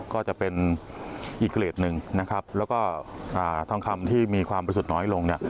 ก็จะเป็นอีกเกรดหนึ่งแล้วก็ทองคำที่มีความประสุทธิ์น้อยลง